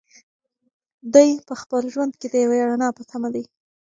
دی په خپل ژوند کې د یوې رڼا په تمه دی.